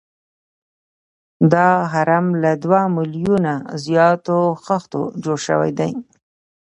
دا هرم له دوه میلیونه زیاتو خښتو جوړ شوی دی.